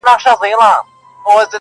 سم اتڼ یې اچولی موږکانو,